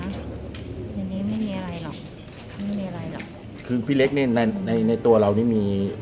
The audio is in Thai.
อย่างนี้ไม่มีอะไรหรอกไม่มีอะไรหรอกคือพี่เล็กนี่ในในตัวเรานี่มี